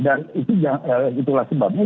dan itulah sebabnya